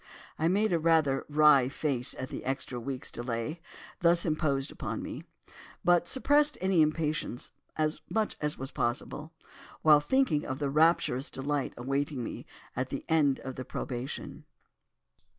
I made rather a wry face at the extra week's delay, thus imposed upon me, but suppressed any impatience as much as was possible, while thinking of the rapturous delight awaiting me, at the end of the probation.